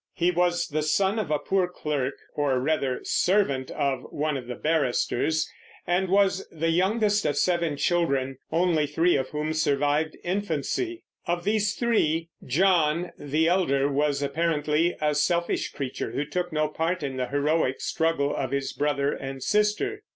He was the son of a poor clerk, or rather servant, of one of the barristers, and was the youngest of seven children, only three of whom survived infancy. Of these three, John, the elder, was apparently a selfish creature, who took no part in the heroic struggle of his brother and sister.